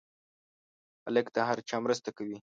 هلک د هر چا مرسته کوي.